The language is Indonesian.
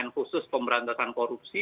khusus pemberantasan korupsi